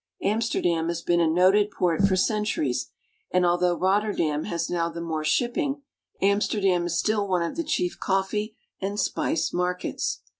Amsterdam has been a noted port for centuries, and although Rotterdam has now the more shipping, Am sterdam is still one of the chief coffee and spice markets.